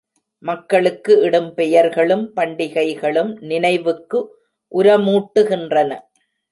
மக்களுக்கு இடும் பெயர்களும், பண்டிகைகளும் நினைவுக்கு உரமூட்டுகின்றன.